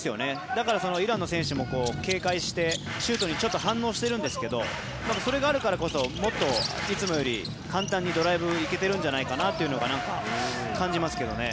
だからイランの選手も警戒してシュートにちょっと反応しているんですけどそれがあるからこそもっといつもより簡単にドライブに行けてるんじゃないのかなと感じますけどね。